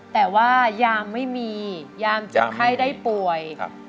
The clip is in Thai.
แต่ว่ายามไม่มียามใครได้ป่วย